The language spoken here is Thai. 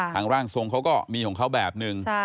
ร่างทรงเขาก็มีของเขาแบบนึง